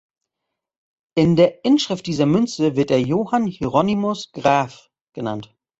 In der Inschrift dieser Münze wird er "Johann Hieronymus Graff" genannt.